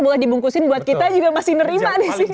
bukan dibungkusin buat kita juga masih nerima di sini